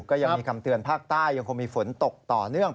ก็ยังมีคำเตือนภาคใต้ยังคงมีฝนตกต่อเนื่อง